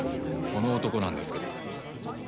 この男なんですけど。